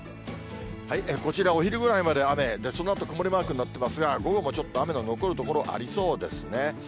こちら、お昼ぐらいまで雨、そのあと曇りマークになってますが、午後もちょっと雨の残る所ありそうですね。